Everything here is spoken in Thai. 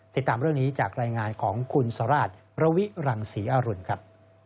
ติดตามเรื่องนี้จากรายงานของคุณสราชระวิรังศรีอรุณครับ